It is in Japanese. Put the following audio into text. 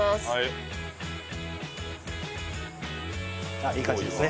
あっいい感じですね。